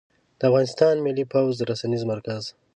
د افغانستان ملى پوځ رسنيز مرکز